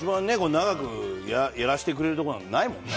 長くやらせてくれるとこなんかないもんね。